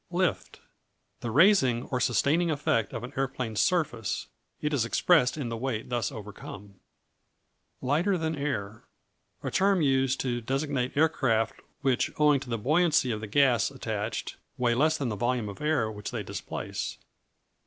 Lift The raising, or sustaining effect of an aeroplane surface. It is expressed in the weight thus overcome. Lighter than air A term used to designate aircraft which, owing to the buoyancy of the gas attached, weigh less than the volume of air which they displace.